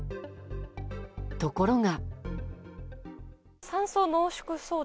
ところが。